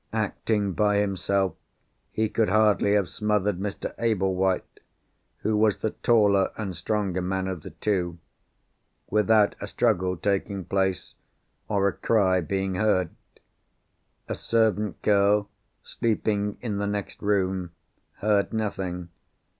Acting by himself, he could hardly have smothered Mr. Ablewhite—who was the taller and stronger man of the two—without a struggle taking place, or a cry being heard. A servant girl, sleeping in the next room, heard nothing.